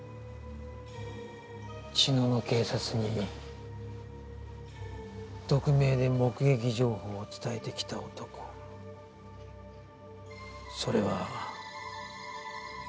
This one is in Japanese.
茅野の警察に匿名で目撃情報を伝えてきた男それは。